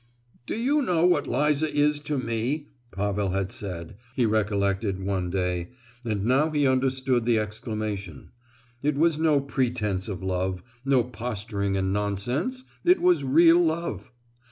"Do you know what Liza is to me?" Pavel had said, he recollected, one day; and now he understood the exclamation. It was no pretence of love, no posturing and nonsense—it was real love!